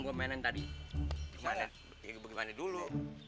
gue mainin tadi gimana ya bagaimana dulu